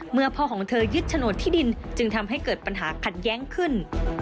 พ่อของเธอยึดโฉนดที่ดินจึงทำให้เกิดปัญหาขัดแย้งขึ้น